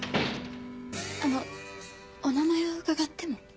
あのお名前を伺っても？